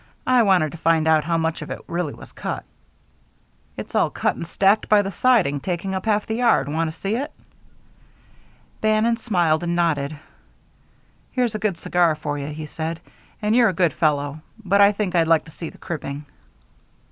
I wanted to find out how much of it really was cut." "It's all cut and stacked by the siding, taking up half the yard. Want to see it?" Bannon smiled and nodded. "Here's a good cigar for you," he said, "and you're a good fellow, but I think I'd like to see the cribbing."